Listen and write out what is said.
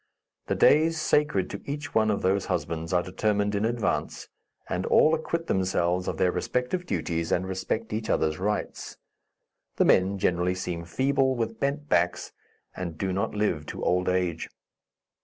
The days sacred to each one of those husbands are determined in advance, and all acquit themselves of their respective duties and respect each others' rights. The men generally seem feeble, with bent backs, and do not live to old age.